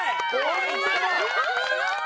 すごい！